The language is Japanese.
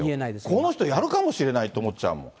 この人、やるかもしれないと思っちゃうもん。